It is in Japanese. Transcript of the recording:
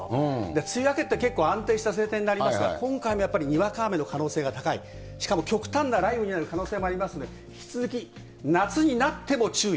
梅雨明けって結構安定した晴天になりますから、今回もやっぱりにわか雨の可能性が高い、しかも極端な雷雨になる可能性もありますので、引き続き夏になっても注意。